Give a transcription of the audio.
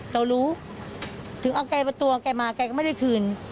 เรารู้ถึงเอาใกล้ตัวใกล้มาใกล้ก็ไม่ได้คืน